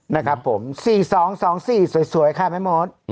นะครับผม๔๒๒๔สวยค่ะแม่มด